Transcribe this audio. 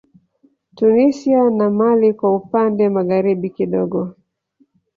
Tunisia na mali kwa upande magharibi kidogo